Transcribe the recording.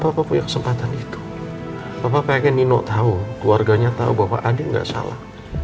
papa punya kesempatan itu apa pengen nino tahu keluarganya tahu bahwa ada enggak salah